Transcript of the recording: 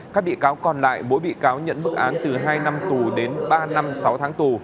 các bị cáo còn lại mỗi bị cáo nhận bức án từ hai năm tù đến ba năm sáu tháng tù